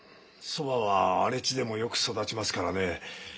蕎麦は荒れ地でもよく育ちますからね。